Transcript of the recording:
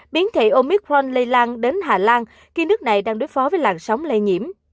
biến thể omicron lây lan đến hà lan khi nước này đang đối phó với làn sóng lây nhiễm